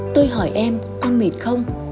tôi hỏi em con mệt không